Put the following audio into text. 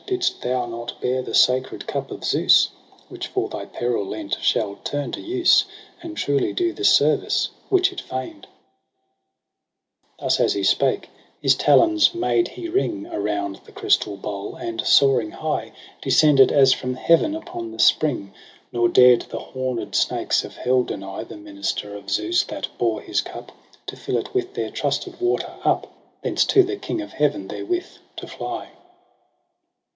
Didst thou not bear the sacred cup of Zeus j Which, for thy peril lent, shall turn to use. And truly do the service which it feign'd.' DECEMBER 15)3 30 Thus as he spake, his talons made he ring Around the crystal bowl, and soaring high Descended as from heaven upon the spring : Nor dared the homed snakes of hell deny The minister of Zeus, that bore his cup. To fill it with their trusted water up, Thence to the King of heaven therewith to fly.